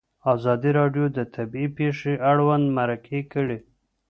ازادي راډیو د طبیعي پېښې اړوند مرکې کړي.